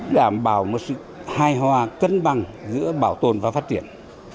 đảm bảo một sự hài hòa cân bằng giữa bảo tồn và phát triển